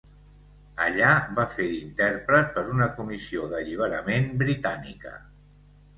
Allà va fer d'intèrpret per una comissió d'alliberament britànica.